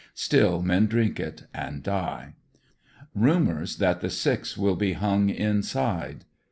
Still men drink it and die. Rumors that the six will be hung inside.